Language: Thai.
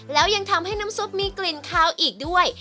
แล้วยังทำให้น้ำซุปมีกลิ่นคาวอีกด้วย